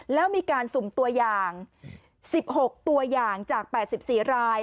แล้วมีการสุ่มตัวอย่าง๑๖ตัวอย่างจาก๘๔ราย